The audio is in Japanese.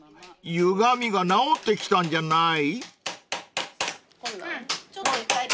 ゆがみが直ってきたんじゃない？］